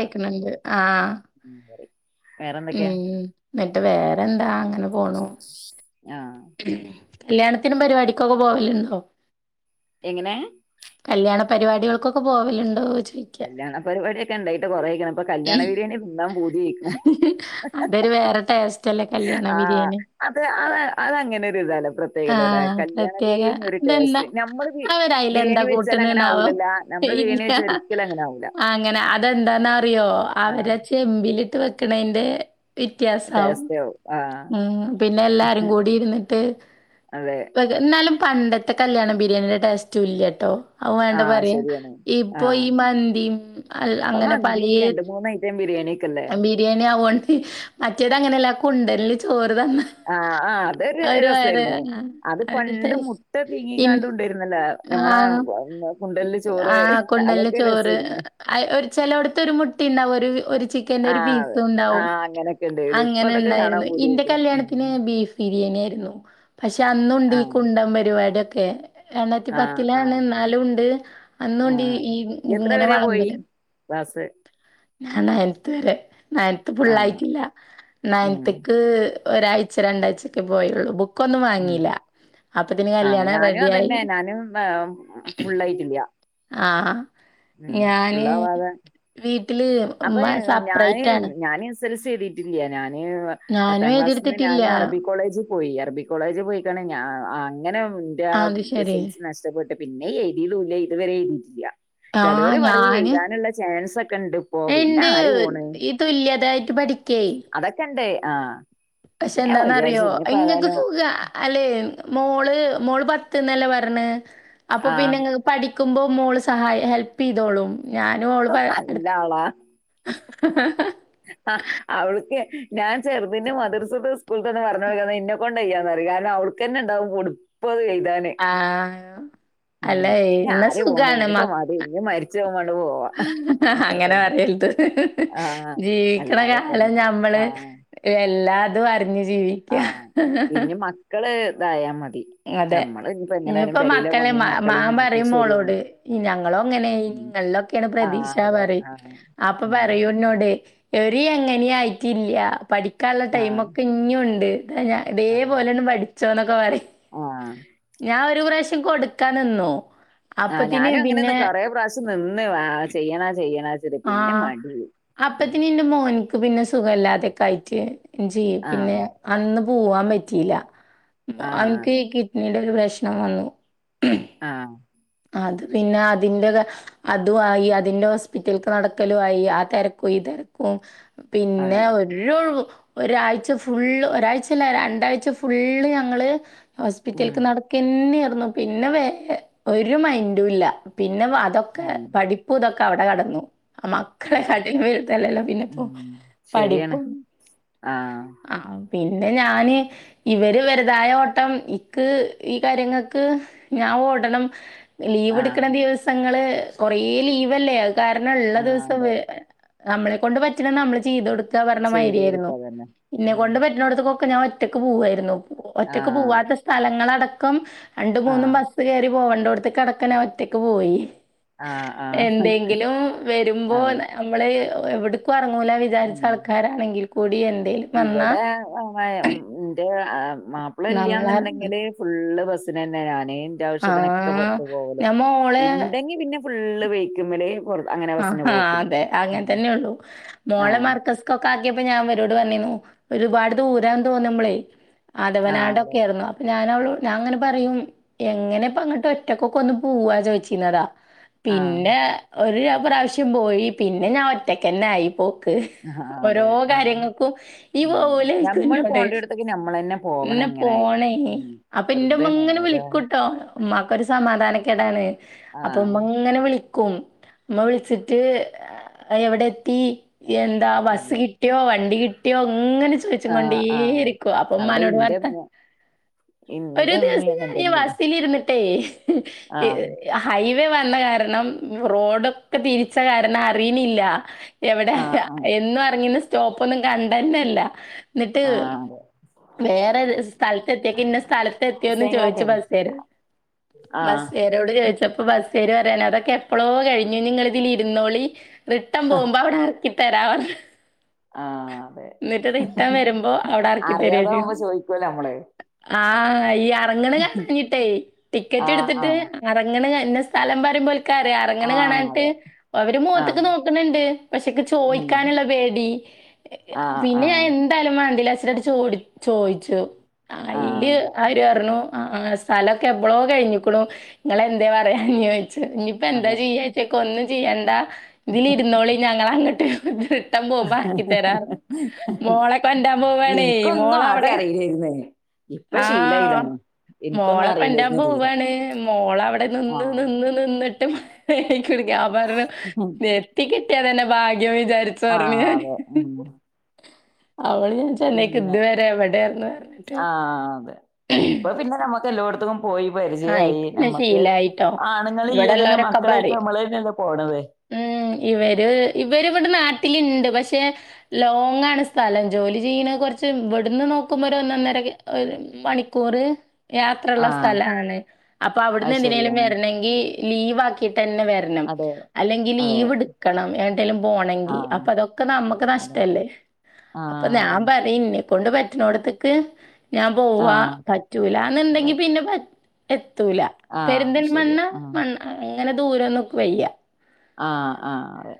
കക്കുന്നുണ്ട് ആഹ ഉം പറയും. വേറെന്തൊക്കെയാ ഉം എന്നിട്ട് വേറെന്താ അങ്ങനെ പോണു ആ കല്യാണത്തിനും പരിപാടിക്കൊക്കെ പോവലുണ്ടോ എങ്ങനെ പരിപാടികൾക്കൊക്കെ പോവലുണ്ട് കല്യാണ പരിപാടി ഒക്കെ ഉണ്ടായിട്ട് കൊറേക്കണം ഇപ്പ കല്യാണിരിയാണി പിന്നാം പൂതിയക്കണം അതൊരു വേറെ ടേസ്റ്റ് ആ അത് അത അതങ്ങനെ ഒരു ഇതല്ല പ്രത്യേകതല്ല ആഹ് കല്യാണഗിരി പ്രത്യേക അതെന്താ നമ്മള് അവരയിലെന്താ ബിരിയാണി വെച്ചാൽ അങ്ങനെ കൂട്ട്ണ്ന്നാവോ? ആവില്ലല്ല നമ്മള് ബിരിയാണി ഇല്ല. വെച്ച് ഒരിക്കലും അങ്ങനെ ആവില്ല അങ്ങനെ അതെന്താന്ന അറിയോ അവരെ ചെമ്പിലിട്ട് വെക്കണേന്റെ വ്യത്യാസവും ടേസ്റ്റ് ആവും ആ ഉം പിന്നെ എല്ലാരും കൂടി ഇരുന്നിട്ട് അതെ എന്നാലും പണ്ടത്തെ കല്യാണം ബിരിയാണിയുടെ ടേസ്റ്റ് ല്ലട്ടോ അ ആ വേണ്ട പറയാ ശരിയാണ് ആ ഇപ്പൊ ഈ മന്തി ഇപ്പൊ അങ്ങനെ പല മന്തി രണ്ട് മൂന്ന ഐറ്റം ബിരിയാണിക്ക്ല്ലേ മ വ ആഹ് ആഹ് അതൊരു രസായിരുന്നു. അത് അവരുടെ പണ്ട് മുട്ട പീങ്ങിക്കാണ്ട് കൊണ്ടരുന്നല്ലോ നമ്മളെ ആഹ കുണ്ടലില് ആ ചോറ് കൊണ്ടല്ലെ അതൊക്കെ ചോറ് രസായിരുന്നു. ചിലവിടത്ത ബുിമുട്ട ഉണ്ടാവ ഒരു ചിക്കൻ ഒരു ആഹ് പീസ് അതെ ആഹ് അങ്ങനൊക്കെ ഉണ്ടായിരുന്നു. ഇപ്പ അതൊക്കെ അങ്ങനണ്ട കാണാൻ പൂതിയായിക്ക്ണ്. കല്ത്തി ഉം ബിരിയാണി ആയിരുന്നു പക്ഷെ അന്നുണ്ട് ീ ആഹ് കുണ്ടൻ പരിപാടിയൊക്കെ രണ്ടായിരത്തി ആഹ് പത്തിലാണ് ആഹ് എന്നാലും ഉണ്ട് അന്നുണ്ട് ഈ ഇങ്ങനെ വളമ്പര ബസ് ഞാൻ നയൻത്ത് വരെ നയൻത്ത് ആഹ് ഫുള്ളായിട്ടില്ല ഉം നയൻത്ത്ക്ക് ഒരാഴ്ച രണ്ടാഴ്ചൊക്കെ പോയുള്ളു ബുക്ക ഒന്നും വാങ്ങില്ല ആഹ ഞാനും അതന്നെ ഞാനും ഫുള്ളായിട്ടില്ല ആഹ ഉം ഞാന് ഫുള്ളാവാതെ വീട്ടില് ഉമ്മ സപ്പറേറ്റ് ഞാന്ൻ എസ് എൽ എ എഴുതിട്ടില്ല ഞാന് ഞാനും പത്താം ക്ലാസ്സിൽ നിന്ന് എഴുതിയെടുത്തിട്ടില്ല. ഞൻ അറബി കോളേജ് പോയി അറബി കോളേജ് പോയിക്ക അങ്ങനെ എന്റെ ആ അത് എസ് ശരി. എൽ സി നഷ്ടപ്പെട്ട് പിന്നെ എഴുതിലല്ല ഇതുവരെ എഴുതിയിട്ടല്ല ആ ഞാന് ഒക്കെ ഉണ്ട് ഇപ്പോ പിന്നെ എന്ത് ആര് പോണ് ഈ തുല്യതായിട്ട് പഠ [unintelligible] ണ്ടേ ആ പക്ഷെ പിന്നെ വിചാരിച്ചു എന്താന്നറ്യോ ഇനിയിപ്പോ ഇങ്ങക്ക് ഏതായാലും സുഖാ അല്ലെ മോ ള് മോള് പത്ത്നല്ലേ പർഞ്ഞേ അപ്പോ ആ പിന്നെങ്ങെക്ക് പഠി ക്കുമ്പം മോള് സഹായ ഹെൽപെയ്തോളും. നല്ലാളാ ആഹ് അവൾക്കെ ഞാൻ ചെർതിന്റെ മദ്രസ ദിവസ് സ്കൂൾത്തനെ [unintelligible] ഇന്നെക്കൊണ്ടെയ്യ ന്നറിം കരണം അവൾക്കെന്നെണ്ടാവും പുടുപത് എഴ് ആഹ് ഉം ഇഞ്ഞ് ആര് പോണ് ഇഞ്ഞ് ഇപ്പം മതി ഇഞ്ഞ് മരിച്ച് പോവുമ്പം ആണ്ട് പോവാ. അത്ര അങ്ങനെ തന്നെ പറെര്ത് ആഹ് ജീവിക്ക്ണ കാലം അല്ലാതെപ്പെന്താ ഞമ്മെൾ ആഹ് എല്ലാ ആഹ് ഇഞ്ഞ് മക്കെൾ ഇതായാ മതി അതെ ഞമ്മള് ഇനിയിപ്പോ ഇഞ്ഞ് എങ്ങനായാലും ഇപ്പം പെരയിലെ മക്കെൾ മാ പണിയും മാ മക്കളെയും മാം നോക്കി പറിം ശരിയാണ് മോളോട് ഞങ്ങളോ ഇങ്ങെനെയി ഇഞ്ഞ് ഉം ഇങ്ങെൾലൊക്കെയാണ് ആഹ് പ്രതീക്ഷാ അതെ പറിം ആഹ് അപ്പം ഉം പറയും ഇന്നോടെ ഒര് എങ്ങെനിം ആയിറ്റ് ഇല്ല പഠി ക്കാള്ളെ ആഹ് ടൈമൊക്കെ ഇഞ്ഞും ഇണ്ട് താ ആഹ് ഇതേപോലെ ആണ്ട് പഠിച്ചോന്നൊക്കെ പറിം ആഹ് ഞാൻ ഒരു പ്രാവശ്യം കൊട്ക്കാൻ നിന്നു ആഹ് അപ്പത്തിന് ഞാനും പിന്നെ അങ്ങനെന്നെ കൊറെ പ്രാവശ്യം നിന്ന് വാ ചെയ്യനോ ചെയ്യണോച്ച്ട്ട് പിന്നെ ആഹ് മണ്ടി ആയി ഇപ്പ പിന്നെ സുഖ അല്ലെ ആദ്യയൊക്കെ ആയിട്ട് ഇഞ്ഞും ചെയ്യാ പിന്നെ ആഹ് അന്ന് പൂവാൻ പറ്റീലാ ആഹ് അവെന്ക്ക് അതെ കിഡ്നിയുടെ ഒരു പ്രശ്നം വന്നു ആഹ് അത് പിന്നെ അതിന്റെ തെ അതും ആയി അതിന്റെ ഹോസ്പിറ്റെൽക്ക് നട്ക്കെലും ആയി ആ തെരക്കും ഈ തെ തെരക്കും പിന്നെ അതെ ഒര് ഒഴ്‌വും ഒരാഴ്ച്ച ഫുള്ള് ഒരാഴ്ച്ച അല്ല രണ്ടാഴ്ച്ച ഫുള്ള് ഞങ്ങെൾ ഉം ഹോസ്പിറ്റെൽക്ക് നടക്കന്നെർന്നു പിന്നെ വേ ഒര് മൈന്റും ഇല്ല പി പിന്നെ വാ അതൊക്കെ ആഹ് പഠിപ്പും ഇതൊക്കെ അവ്ടെ കടന്നു ആഹ് മക്കളെ അതെ കാട്ടിം വെൽത് അല്ലല്ലോ പിന്നെപ്പോ ഉം ശരിയാണ് പഠിപ്പും ആഹ് ആ പിന്നെ ഞാന് ഇവെര് വെര്തായെ ഓട്ടം ഇക്ക് ഈ കാര്യങ്ങെക്ക് ഞാ ആഹ് ഓടണം ലീവ് ആഹ് ഇട്ക്ക്ണ ദിവസങ്ങെൾ കൊറേ ലീവ് അല്ലെ അയ് കാരണം ഇള്ള ആഹ് ദിവ്സം അതെ വെര് നമ്മളെ കൊണ്ട് പറ്റ്ണെ നമ്മെൾ ചിയ്ത് കൊട്ക്കാ പർണ ചെയ്ത് മാരിയെയ്രുന്നു. കൊടുക്കുക തന്നെ ഇന്നെ ഉം കൊണ്ട് പറ്റ്ണോട്ത്ത്ക്കൊ ഞാൻ ഒറ്റക്ക് പോവുവാരുന്നു ഒറ്റക്ക് ആഹ് അതെ പോവാത്ത സ്ഥലങ്ങളടക്കം രണ്ട് മൂന്നും ആഹ് ബസ്സ് കയറി- പോവണ്ടടോടത്ത് കെടക്കാൻ ഞാൻ ഒറ്റക്ക് പോയി ആഹ് ആഹ് എന്തെങ്കിലും വരുമ്പോ അതെ നമ്മള് എവിടെ- ഇപ്പ എറങ്ങൂല ഉം വിചരിച്ച ആൾക്കാരാണെങ്കിലും ഇവിടെ [unintelligible] എന്റെ മാപ്പിള നമ്മളെ ഇല്ലയന്നുണ്ടെങ്കില് ഫു- ഫുള്ള് ബസ്സിന് തന്നെ ഞാനെ ആ ആവശ്യത്തിനൊക്കെ പുറത്തു. പോകല് ഞാൻ മോളെ ഉണ്ടെങ്കി പിന്നെ ഫുള്ള് വെയിക്ക് [unintelligible] മല് ആഹ് അതെ അങ്ങനെ തന്നെയള്ളൂ മോളെ ആഹ് മാർക്കസ്കോക്കെ- പ്പോ ഞാൻ വരോട് പറന്നിന്നു ഒരുപാട് ദൂരന്ന് തോന്നുമ്പളെ അതവ [unintelligible] [unintelligible] ആഹ് അതെ നാടൊക്കെ ആരുന്നു അ ഞാൻ അവളോട് ഞാൻ അങ്ങനെ പറയും എങ്ങനെപ്പ അങ്ങോട്ട് ഒറ്റക്കൊക്കെ ഒന്ന് പോവാ ചോദിച്ചിന്നതാ ആഹ് പിന്നെ ഒരു പ്രാവശ്യം പോയി പിന്നെ ഞാൻ ഒറ്റക്ക്ന്നെ ആയിപ്പോ ക് ആഹ് ഓരോ അതെ ആഹ് കാര്യങ്ങൾക്കും ഈ ഉം പോവൂലേന്ന് ക്ക് ഞമ്മള് എന്നോട് പോണ്ടിടത്തേക്ക് ഞമ്മളന്നെ പോവണം ഞാൻ എങ്ങനായാലും പോണം ഇനി ഉം അപ്പൊ എന്റെ ഉമ്മ ഇങ്ങനെ വെറുതെയാണ് വിളിക്കൂട്ടോ ഉമ ഒരു സമാധാനക്കെടാണ് അപ്പൊ ആഹ് ഉമ്മ ഇങ്ങനെ വിളിക്കും അമ്മ വിളിച്ചിട്ട് എവിടെ എത്തി എന്താ അതെ ബസ്സ് കിട്ടിയോ വണ്ടി കി ഇങ്ങനെ ചോദിച്ചും കൊണ്ടേ ആഹ് ആഹ് ഇരിക്കൂക അപ്പൊ അവിടെ ഉമനോട് ഇന്റെ വർത്ത ഉമ്മ - ഒരു ഇന്റെ ഉമ്മ ദിവസം അങ്ങനെ ഞാന് തന്നെ ബസ്സിൽ ഇരുന്നിട്ട അതെ ആഹ് ഹൈവേ വന്ന കാരണം റോഡ് ഒ ക്കെ തിരിച്ച കാരണം അറിയുന്നില്ല എവിടെ ആഹ് ഹ ആഹ് എന്നും റങ്ങിന്നസ സ്റ്റോപ്പ് ഒന്നും കണ്ട തന്നെല്ല ആഹ് അതെ വേറെ സ്ഥലത്ത് എത്തിയെ പിന്നെ സ്ഥലത്ത് എത്തിയോന്നും ചോയിച്ചു മുസ്ലിങ്ങളൊക്കെയാണ് ബസ്സേറ് ആഹ് ബസ്സ്‌ കാരോട് ചോ ചപ്പോ ബസ്കാര് പറയാണ് അതൊക്കെ എപ്പോളോ കഴിഞ്ഞു നിങ്ങൾ ഇതിൽ ഇരുന്നോളി റിട്ടൺ പോകുമ്പോ അവിടെയിറക്കി ത തെരാവന്ന്‌ ആഹ് അതെ വരുമ്പോ അവിടെ ഇറക്കി അറിയാതാവുമ്പോ ചോദിക്കുവല്ലോ നമ്മള് ആഹ് ഈ ഇറങ്ങണ കഴിഞ്ഞിട്ടേ ടിക്കറ്റ് ആഹ് എടുത്തിട്ട് ആഹ് ഇറങ്ങണ ക എന്ന സ്ഥലം പറയമ്പോ ഓർക്ക് അറി അങ്ങനെ ആഹ് കാണാനട്ട് അതെ അവര് ആഹ് മുഖത്തേക്ക് നോക്കണണ്ട് പക്ഷെക്ക് ഉം ചോയിക്കാനുള്ള പേടി ആഹ് പിന്നെ ആഹ് ഞാൻ എന്തായാലും വേണ്ടീല- എന്നിട്ട് ചോ ചോദിച്ചു ആഹ് അയില് അതെ അവര് പറഞ്ഞു ആ ആ സ്ഥലമൊക്കെ എപ്പളോ കഴിഞ്ഞിക്കണു നിങ്ങൾ എന്തേ പറയാഞേന്ന് ചോദിച്ചു ഇനിയിപ്പോ എന്താ അതെ ചെയ്യാക്ക ഒന്നും ചെയ്യണ്ട ഇതിൽ ഇരുന്നോളി ഞങ്ങൾ അങ്ങോട്ട് പോകമ്പോ ഇറക്കി തരാ മോളെ കൊണ്ട് പോകാനേ എനിക്കൊന്നും ആദ്യം മോളവിടെ- അറിയില്ലായിരുന്നേ ഇപ്പൊ ആ ഷീലയതാണ് മോളെ കൊണ്ടൻ പോവാണ് മോള് അവിടെ നിന്ന് ആഹ് നിന്ന് നിന്നിട്ട് ടു ഞാൻ പറഞ്ഞു നിർത്തി കിട്ടിയ തന്നെ ഭാഗ്യം ന്ന് ന്ന് വിചാരിച്ച് പറഞ്ഞ് ആഹ് ഞാൻ അതെ ഉം അവള് ഞാൻ ചെന്നൈക്ക് ഇതുവരെ എവിടെയാന്ന് പറഞ്ഞിട്ട് ആ അതെ ഇപ്പൊ പിന്നെ നമുക്ക് എല്ലായിടത്തെക്കും പോയി ആ പരിചയമായി ഇപ്പൊ പിന്നെ നമ്മുക്ക് ശീലായിട്ടോ ആണുങ്ങൾ ഇവിടെ ഇല്ലെങ്കിലും ഉള്ളവരൊക്കെ മക്കളെറ്റ് പറയും നമ്മള് തന്നെങ്ങ് പോണത് ഉം ഇവര് ഇവര് ഇവിടെ നാട്ടിലുണ്ട് പക്ഷെ ലോങ്ങ് ആണ് സ്ഥലം ജോലി ചെയ്യുന്ന കുറച്ച് ഇവിടുന്ന് നോക്കുമ്പോ ഒരു ഒന്നൊന്നര രു മണിക്കൂറ് യാത്ര ഉള്ള ആഹ് സ്ഥലമാണ് അപ്പൊ അവിടുന്ന് അത് എന്തിനേലും ശരിയാണ് വരണെങ്കി ലീവ് ആക്കിട്ട് തന്നെ വരണം അതെ അല്ലെങ്കിൽ അതെ ലീവ എടുക്കണം എങ്ങാട്ടേലും പോണമെങ്കിൽ ആഹ് അപ്പൊ അതൊക്കെ നമുക്ക് അതെ നഷ്ടാ ല്ലേ ആഹ് അപ്പൊ ഞാൻ അതന്നെ പറയുംന്നേ കൊണ്ട് പറ്റണോടത്തൊക്കെ ഞാൻ പോവാ ആഹ് അതെ പറ്റൂലാന്നുണ്ടെങ്കി പിന്നെ പറ്റാ പറ്റൂല ആഹ് പെരിന്തൽ ശരിയാ മണ്ണ ആഹ് മണ് അങ്ങനെ ദൂരംന്നും വയ്യ ആഹ് ആഹ് അതെ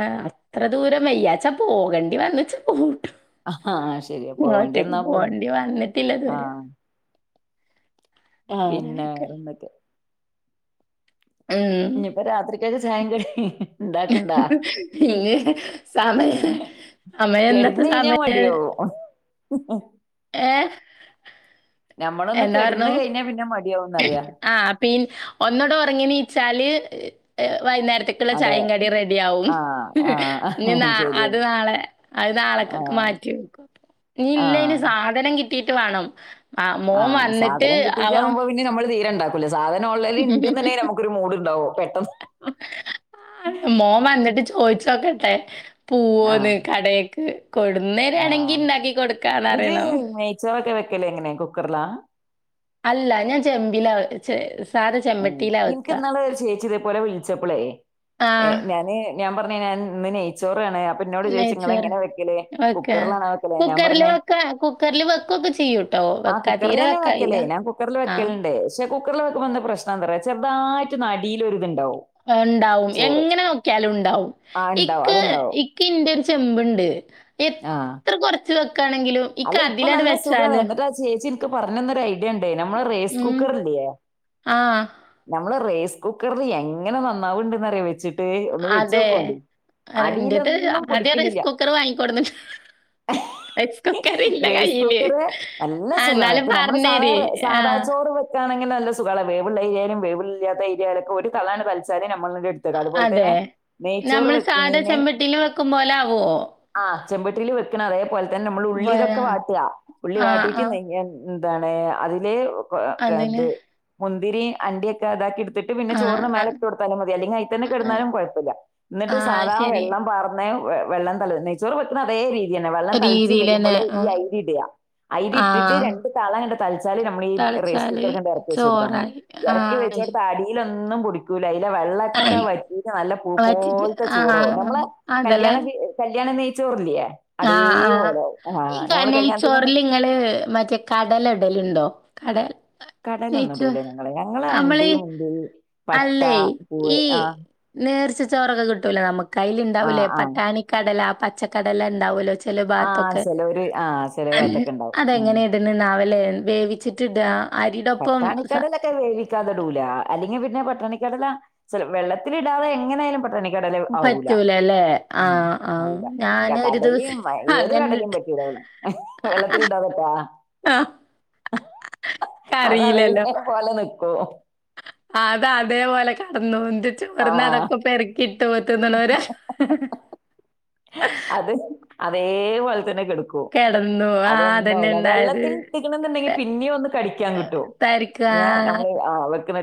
ആഹ് അത്ര ദൂരം വയ്യാച്ചാ പോകണ്ടി വന്നച്ച് പോകും ആഹ് ശരിയാ പോവണ്ടി ഒറ്റക്ക് വന്നാ പോവും പോകേണ്ടി വന്നിട്ടില്ലതുവരെ പിന്നെന്തൊക്കെ? ഉം ഇഞ്പ്പോ രാത്രിക്കൊക്കെ ചായിം കടിം ഇണ്ടാക്ക്ണ്ടാ? ഇനി സമയം സമയം ഇന്നത്തെ കെട്ടന്നയ്ഞ്ഞാ സമയം മടിയാവും. ഏഹ് ഞമ്മളൊന്ന് എന്നാ പറഞ്ഞു? കെട്ന്ന് കഴിഞ്ഞാ പിന്നെ മടി ആഹ് പിൻ ഒന്ന് ഒറങ്ങിന്നീച്ചാല് വൈകുന്നേരത്തേക്കുള്ള അതെ ചായിം കടിം റെഡി ആവും ആഹ് ഇഞ്ഞ് ആഹ് നാ ശരിയാ അത് നാളെ അത് നാളെ ആഹ്. മാറ്റി വെക്കും. ഇനി ഇല്ല അയിന് ആഹ്. സാധനം കിട്ടീട്ട് വാണം ആ മോൻ വന്നിട്ട് അവൻ ഞാൻ ഇണ്ടാക്കൂല സാധനം ഓൺലൈനിൽ ഇണ്ട് ന്ന്ണ്ടെങ്കിൽ നമുക്കൊരു മൂഡ് ഇണ്ടാവും പെട്ടെന്ന് ആ മോൻ വന്നിട്ട് ചോയിച്ചോക്കട്ടെ ആഹ്. [unintelligible] കടേക് കൊടുന്നേരാ ആണെങ്കി ആഹ്. ഇണ്ടാക്കി കൊടുക്കാന്ന്റിയണം വെക്കേല് എങ്ങനെ കുക്കർല അല്ല ഞാൻ ചെമ്പില [unintelligible] ഏ ഇൻക്ക്ന്നാളെ ഒര് ചേച്ചി ഇതേ പോലെ വിൾച്ചപ്പെളെ ആ ഏ ഞാന് ഞാ പറഞ്ഞ [unintelligible] ഇന്ന് നെയ്ച്ചോറാണ് അപ്പ ഇന്നോട് ചോയിച്ച് ഇങ്ങള് നെയ്ച്ചോറ് എങ്ങനെ വെക്കലേ വെക്ക കുക്കറിലാണോ വെക്കലേ ഞാൻ പർ കുക്കറില് ഞ്ഞ് വെക്ക കുക്കറില് വെക്കൊക്കെ ചെയ്യൂട്ടോ ആ വെക്ക തീരെ കുക്കറിലെന്നെ വെക്കായില്ല വെക്കലേ ഞാൻ കുക്കറിൽ ആ വെക്കല്ണ്ട്. പക്ഷെ കുക്കറിൽ വെക്കുമ്പ എന്താ പ്രശ്നം ചെറുതായിട്ട് നടിയില ഒരിതുണ്ടാവും ഉണ്ടാവും എങ്ങനെ നോക്കിയാലും ഉണ്ടാവും ആഹ് ഇണ്ടാവും. ഇക്ക് അത്ണ്ടാവും. ഇക്ക് ഇൻ്റെ ഒരു ചെമ്പ്ണ്ട് ആഹ്. എത്ര കൊറച്ച് വെക്കയാണെങ്കിലും ഈ കതിലാണ് വെച്ചാലോ പറഞ്ഞന്നൊ ഒരു ഐഡിയ ഉണ്ടേ നമ്മളെ റൈസ് ഉം കുക്കർ ഇല്ലയേ ആ നമ്മളെ റൈസ് കുക്കറിൽ എങ്ങനെ നന്നാവുണ്ടന്ന്റിയൻ വെച്ചിട്ട് ട്ട് ഒന്ന് വെച്ച അതെ നോക്കണ്ടണ്ട് എന്റേത് അടിയിലൊന്നും ആദ്യം റൈസ് പിടിക്കണില്ല കുക്കർ വാങ്ങിക്കൊടുന്നിട്ട് ഹാ റൈസ് കുക്കർ ഇല്ല റൈസ് കയ്യില് കുക്കർ നല്ല ആ സുഖമാണ് എന്നാലും ഇപ്പ നമ്മള് സാധാ പറഞ്ഞേരി ആ സാധാ ചോറ് വെക്കാണെങ്ക അങ്ങന നല്ല സുഖം വേവുള്ള അരിയാലും വേവിലില്ലാ അരിയയിലൊക്കെ ഒരു കളാണ് കത്സാല ടുക്ക അതുപോലെ അതെ തന്നെ നെയ്ച്ചോറ് നമ്മള് സാധാ വെക്ക ചെമ്പട്ടിയിൽ വെക്കും പോലെ ആവുമോ ആ ചെമ്പെട്ടിയിൽ വെക്കണം അതേപോലെ തന്നെ നമ്മൾ ഉള്ളി ഇതൊക്കെ വാട്ടുക ഉള്ളി ആ ആ വാട്ടിയിട്ട് എന്താണ് അതില് അതിന് ഇത് മുന്തിരി അണ്ടിയൊക്കെ അതാക്കി എടു ത്തിട്ട് പിന്നെ ആ ചോറിന്ന് ആ മേലൊക്ക കൊടുത്താലും മതി അല്ലെങ്കിൽ അയി തന്നെ ആ കിടുന്നാലും കുഴപ്പില്ല എന്നിട്ട് ആ, സാധ ശരി വെള്ളം പാർന്ന് വെള്ളം തളി നെയ്ച്ചോറ് വെക്കുന്ന അതേ രീതിയന്നെ വെള്ളം തളിച്ച് രീതിയിൽ തന്നെ വരുമ്പോള് ആ ഈ അരി ഇടയാ അയിരി ആ, ഇട്ടിട്ട് രണ്ടണ്ട് തള ങ്ങട്ട് തളച്ചാല് നമ്മൾ ഈ റൈസ് തളിച്ചാല് കുക്കർ കണ്ട് ഇറക്കവച്ചു കൊടുത്താൽ മതി ചോറായി ആ ഇറക്കി വെച്ചോട്ട ശ- അടിയിലൊന്നും പടിക്കൂല്ല അ വെള്ളൊക്കെ വറ്റ നല്ല പൂ വറ്റിച്ച് പോലത്തെ ആ ചോറവും നമ്മൾ അതല്ലേ കല്യാണ കല്യാണ വ ചോർലിയ ആ ആഹ് ഈ കന്നെ ഈ നെയ്യ് കല്യാണത്തിന് ഒന്നും ചോറിൽ ഇങ്ങൾ മറ്റേ കടലെ കടലുണ്ടോ കടൽ കടന്നൊന്നും ഇടൂലേ ഞങ്ങൾ ഞങ്ങൾ അണ്ടി മുന്തിരി പട്ട അല്ലേ പൂവ് ഈ ആ നേർച്ച ചോറൊക്കെ കിട്ടൂലോ നമുക്ക് അയ്ൽ ഇണ്ടാവൂലേ ആഹ് ആഹ് പട്ടാണിക്കടല പച്ചക്കടല ഉണ്ടാവലോ ആഹ് ഭാത്തൊക്കെ ചെലോര് ആഹ് ചെല ഭാഗത്തൊക്കെ ഇണ്ടാവും. ഉം. അതെങ്ങനെ ഇടുന്നല വേവിച്ചിട്ട് ത്തിട പത്താണിക്കടലൊക്കെ വേവിക്കാതടൂല അല്ലെങ്ക പിന്നെ പട്ടണിക്കടല്ല വെള്ളത്തില ഇടാതെ എങ്ങനെയായാലും പട്ടണിക്ക ട പറ്റൂലല്ലേ? ആഹ് ആഹ്. ആലല ഞാന് ഒരു കടല ദിവസം ഏത് അങ്ങനെ കടലും ഇട്ട് പറ്റിട വെള്ളത്തിൽ ഇണ്ടാവക്കാ ആഹ് ക അത അതേ പോലെ നിക്കൂ അത അതേപോലെ കടന്നു എന്ത് ചോർന്ന് ആഹ് അതൊക്കെ പെറുക്കിട്ട് എ പോത്തന്നണ വരെ അത് അതേ വള കിടക്കൂ കെടന്നു ആഹ് അതന്നെ അതൊന്നും ഇണ്ടായത് വെള്ളത്തിൽട്ടണം എന്നുണ്ടെങ്കി ത പിന്നെയ ഒന്ന് കടിക്കാൻ കിട്ടും തരിക്ക് ഞാൻ ആഹ് നമ്മൾ ആ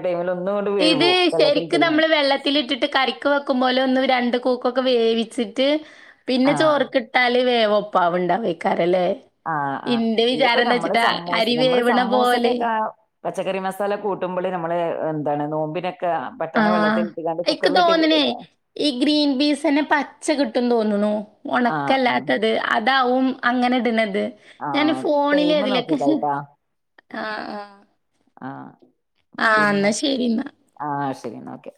ടൈമിൽ ഒന്നുകൊണ്ട് ഇത് വേവും ശരിക്ക് വെള്ളത്തിലിട്ടിക്കണ നമ്മള് വെള്ളത്തിട്ടിട്ട് കറിക്ക് വെക്കുമ്പോൾ ഒന്ന് രണ്ട് കൂക്കൊക്കെ വേവിച്ചിട്ട് ആ പിന്നെ ചോറ് കിട്ടാൽ വേവ പ്പവിണ്ട വെക്കറല്ല ആഹ ആഹ് ഇതിപ്പോ നമ്മള് സമ്മൂ അരി നമ്മുടെ വേവ്ണ സമ്മൂസ പോലെ ഒക്കെ പച്ചക്കറി മസാല കൂട ക നമ്മള് എന്താണ് നോമ്പിനെ ആഹ എക്ക് തോന്നനേ ഇടാ. ഈ ഗ്രീൻ ബീസ് തന്നെ പച്ചകിട്ടു തോന്നുന്നു ആ ആ ഉണക്കല്ലാത്തത് അതാവും അങ്ങനെ ഡ ആ ഞാൻ ഫോണില് ടൈമ് അതിലൊക്കെ നോക്കിക്കായിട്ടാ ആ ആഹ് പിന്നെ ശരി ഇന്നാ ആ ശരി ശരി എന്ന ക്കെ